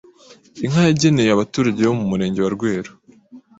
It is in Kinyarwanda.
inka yageneye abaturage bo mu murenge wa Rweru